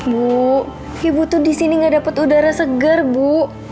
bu ibu tuh di sini nggak dapat udara segar bu